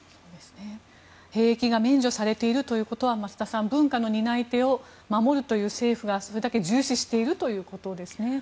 兵役が免除されているということは増田さん文化の担い手を守るという政府が、それだけ重視しているということですね。